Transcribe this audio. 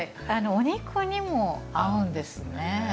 お肉にも合うんですね。